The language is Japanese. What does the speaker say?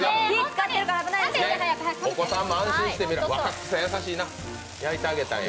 お子さんも安心して若槻さん、優しいな、焼いてあげたんだ。